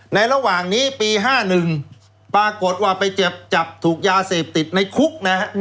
ระหว่างนี้ปี๕๑ปรากฏว่าไปจับถูกยาเสพติดในคุกนะฮะ